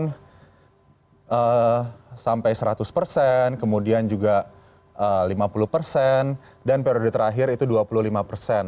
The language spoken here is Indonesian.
pembelian mobil ini jadi seratus persen kemudian juga lima puluh persen dan periode terakhir itu dua puluh lima persen